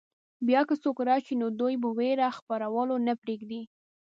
بیا که څوک راشي نو دوی په وېره خپرولو نه پرېږدي.